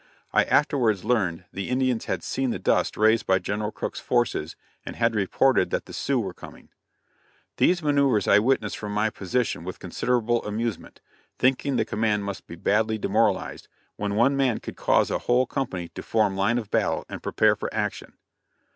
I afterwards learned the Indians had seen the dust raised by General Crook's forces, and had reported that the Sioux were coming. These manoeuvres I witnessed from my position with considerable amusement, thinking the command must be badly demoralized, when one man could cause a whole army to form line of battle and prepare for action.